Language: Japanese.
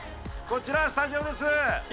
こちらスタジオです。